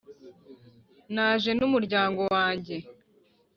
naje n'umuryango wanjye.